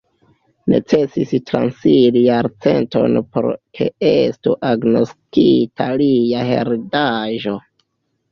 Necesis transiri jarcenton por ke estu agnoskita lia heredaĵo.